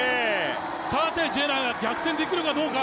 さてジェナが逆転できるかどうか。